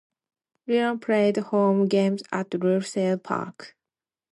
Ilion played home games at Russell Park.